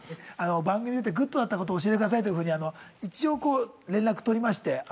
番組に出てグッドだったこと教えてくださいというふうに一応連絡取りまして